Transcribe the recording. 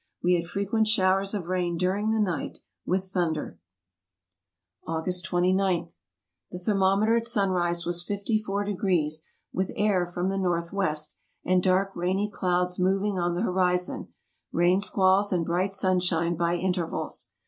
We had fre quent showers of rain during the night, with thunder. August 29. — The thermometer at sunrise was 540, with air from the N. W. , and dark rainy clouds moving on the horizon ; rain squalls and bright sunshine by intervals.